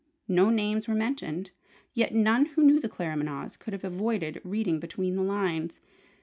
No names were mentioned: yet none who knew the Claremanaghs could have avoided reading between the lines.